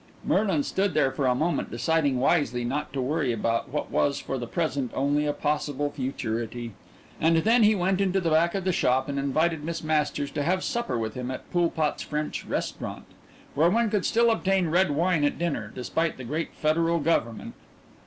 Merlin stood there for a moment, deciding wisely not to worry about what was for the present only a possible futurity, and then he went into the back of the shop and invited Miss Masters to have supper with him at Pulpat's French Restaurant, where one could still obtain red wine at dinner, despite the Great Federal Government.